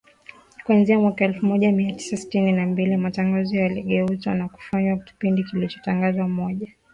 Kuanzia mwaka elfu moja mia tisa sitini na mbili, matangazo yaligeuzwa na kufanywa kipindi kilichotangazwa moja kwa moja, kila siku kutoka Washington